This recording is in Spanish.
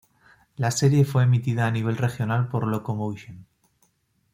La serie fue emitida a nivel regional por Locomotion.